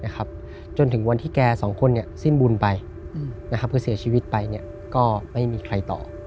โดยที่ว่าพ่อแม่เป็นครูดนตรีทั้งคู่